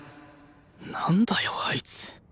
なんだよあいつ